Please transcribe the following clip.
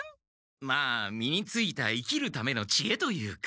まあ身についた生きるための知恵というか。